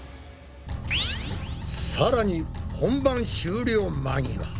さらに本番終了間際。